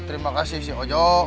terima kasih si ojo